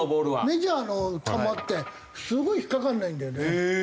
メジャーの球ってすごい引っかからないんだよね。